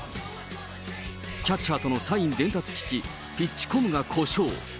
キャッチャーとのサイン伝達機器、ピッチコムが故障。